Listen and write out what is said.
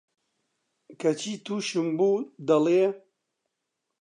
کەچی تووشم بوو، دەڵێ: